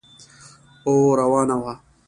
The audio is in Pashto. او روانه وه.